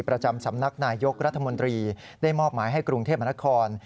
ประจำสำนักนายยกรัฐมนตรีได้มอบหมายให้กรุงเทพมนคร